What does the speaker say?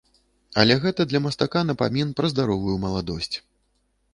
Але гэта для мастака напамін пра здаровую маладосць.